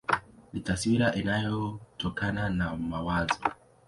Ni taswira inayotokana na mawazo.